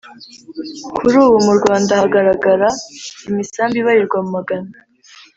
Kuri ubu mu Rwanda hagaragara imisambi ibarirwa mu Magana